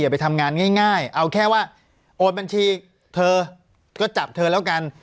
ไปทำงานง่ายเอาแค่ว่าโอนบัญชีเธอก็จับเธอแล้วกัน